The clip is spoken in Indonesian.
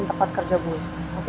ini tempat kerja gue oke